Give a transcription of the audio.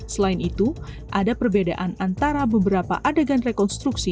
selain itu ada perbedaan antara beberapa adegan rekonstruksi